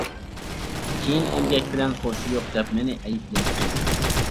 كېيىن «ئەمگەك بىلەن خۇشى يوق» دەپ مېنى ئەيىبلەيتتى.